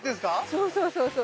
そうそうそうそう。